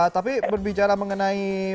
tapi berbicara mengenai pelayanan